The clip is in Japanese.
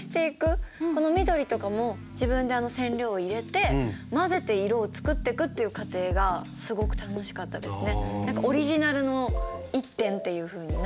この緑とかも自分で染料を入れて混ぜて色を作ってくという過程がすごく楽しかったですね。